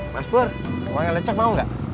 mas pur bawahnya lecak mau gak